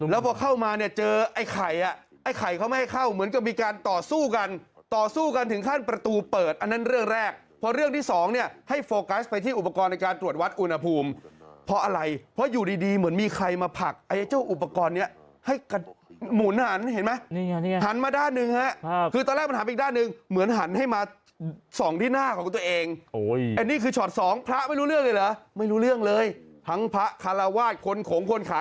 แล้วพอเข้ามาเนี่ยเจอไอ้ไข่อ่ะเขาไม่ให้เข้า